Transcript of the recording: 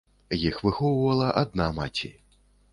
Іх выхоўвала адна маці.